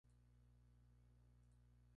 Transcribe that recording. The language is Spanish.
La literatura sugiere varios posibles mecanismos.